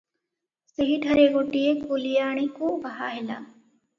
ସେହିଠାରେ ଗୋଟିଏ କୁଲିଆଣୀକୁ ବାହା ହେଲା ।